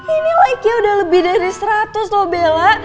ini like nya udah lebih dari seratus loh bella